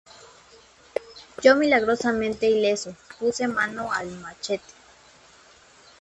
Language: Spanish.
yo, milagrosamente ileso, puse mano al machete: